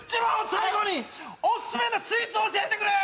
最後にオススメのスイーツを教えてくれ！